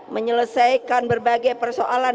menyelesaikan berbagai persoalan